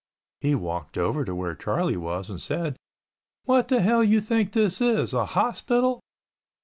He walked over to where Charlie was, said, "What the hell you think this is ... a hospital?"